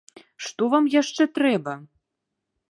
Што вам яшчэ трэба?